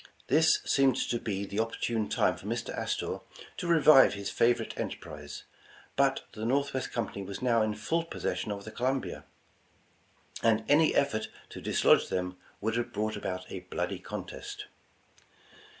This seemed to be the opportune time for Mr. Astor to revive his favorite enterprise, but the Northwest Com pany was now in full possession of the Columbia, and any effort to dislodge them, would have brought about a bloody contest.